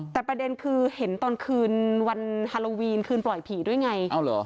แต่ประเด็นคือเห็นตอนคืนวันฮาโลวีนคืนปล่อยผีด้วยไง